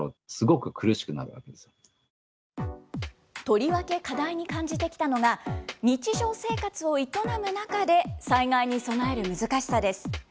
とりわけ課題に感じてきたのが、日常生活を営む中で災害に備える難しさです。